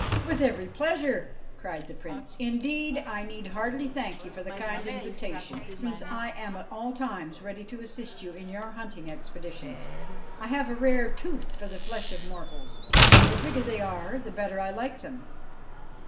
' With every pleasure I ' cried the Prince ;' indeed, I need hardly thank you for the kind invitation, since I am at all times ready to assist you in your hunting expeditions. I have a rare tooth for the flesh of mortals, and the bigger they are the better I like them.'